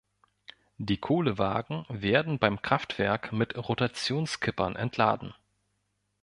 Die Kohlewagen werden beim Kraftwerk mit Rotationskippern entladen.